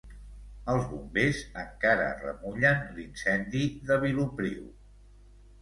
Els Bombers encara remullen l'incendi de Vilopriu.